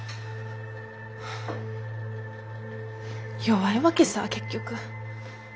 弱いわけさぁ結局。